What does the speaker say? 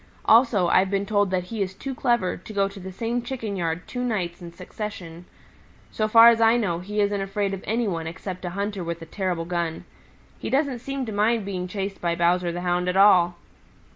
Also I've been told that he is too clever to go to the same Chicken yard two nights in succession. So far as I know, he isn't afraid of any one except a hunter with a terrible gun. He doesn't seem to mind being chased by Bowser the Hound at all."